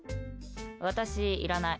私、いらない。